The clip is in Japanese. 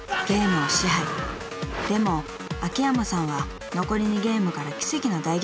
［でも秋山さんは残り２ゲームから奇跡の大逆転で］